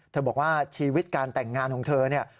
บอกว่าชีวิตการแต่งงานของเธอเนี่ย